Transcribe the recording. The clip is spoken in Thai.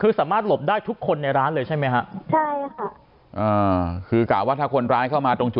คือสามารถหลบได้ทุกคนในร้านเลยใช่ไหมฮะได้ค่ะคือกะว่าถ้าคนร้ายเข้ามาตรงจุด